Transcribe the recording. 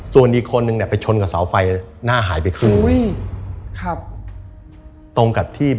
ส่วนอีกคนนึง